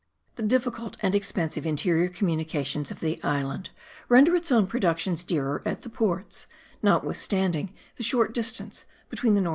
The difficult and expensive interior communications of the island render its own productions dearer at the ports, notwithstanding the short distance between the northern and southern coasts.